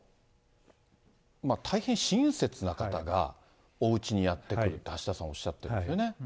大変親切な方が、おうちにやって来ると、橋田さんがおっしゃってるんですよね。